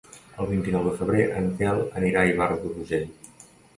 El vint-i-nou de febrer en Quel anirà a Ivars d'Urgell.